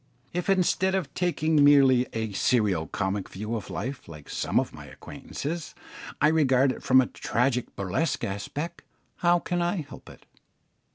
If, instead of taking merely a serio comic view of life, like some of my acquaintances, I regard it from a tragic burlesque aspect, how can I help it?